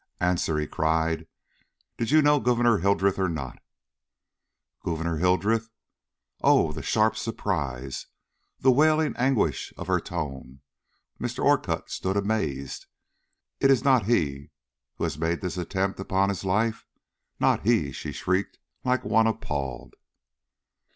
"Answer," he cried. "Did you know Gouverneur Hildreth or not?" "Gouverneur Hildreth?" Oh, the sharp surprise, the wailing anguish of her tone! Mr. Orcutt stood amazed. "It is not he who has made this attempt upon his life! not he!" she shrieked like one appalled.